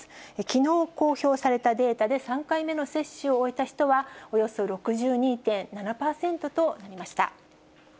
きのう公表されたデータで３回目の接種を終えた人は、およそ６２．７％となりました。